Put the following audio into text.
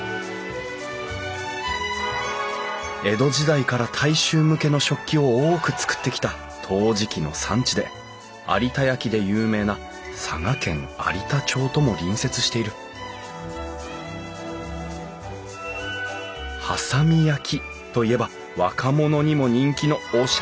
江戸時代から大衆向けの食器を多く作ってきた陶磁器の産地で有田焼で有名な佐賀県有田町とも隣接している波佐見焼といえば若者にも人気のおしゃれな器！